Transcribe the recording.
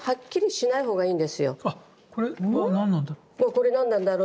これ何なんだろう？